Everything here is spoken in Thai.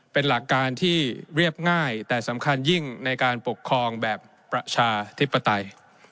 เป็นหลักการที่เรียบง่ายแต่สำคัญยิ่งในการปกครองแบบประชาธิปไตย